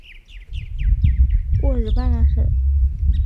沃日巴尔市镇是俄罗斯联邦沃洛格达州托季马区所属的一个市镇。